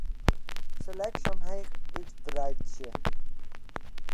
Seleksje omheech útwreidzje.